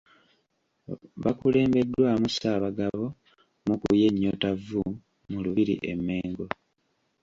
Bakulembeddwamu Ssaabagabo Mukuye Nyotavvu mu Lubiri e Mmengo.